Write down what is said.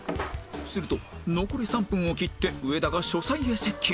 すると残り３分を切って上田が書斎へ接近